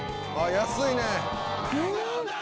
ああ安いね！